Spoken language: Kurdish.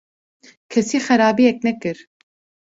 - Kesî xerabiyek nekir.